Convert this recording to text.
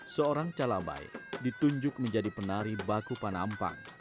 seorang calabai ditunjuk menjadi penari baku panampang